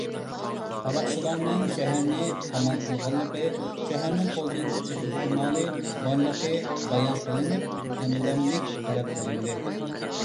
قاراقچىلارنىڭ شەھەرنى قامال قىلغانلىقى، شەھەرنىڭ قولدىن كېتىش ئېھتىمالى بارلىقى بايان قىلىنىپ، ھەمدەملىك تەلەپ قىلىندى.